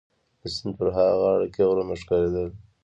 د سیند په ها غاړه کي غرونه ښکارېدل.